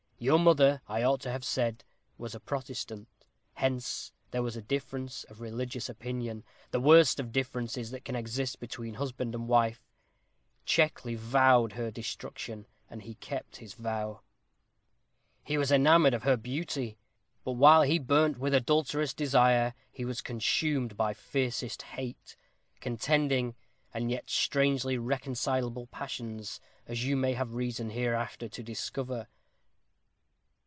Your mother, I ought to have said, was a Protestant. Hence there was a difference of religious opinion the worst of differences that can exist between husband and wife . Checkley vowed her destruction, and he kept his vow. He was enamored of her beauty. But while he burnt with adulterous desire, he was consumed by fiercest hate contending, and yet strangely reconcilable passions as you may have reason, hereafter, to discover."